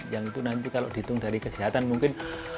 yang itu nanti kalau dihitung dari kesehatan mungkin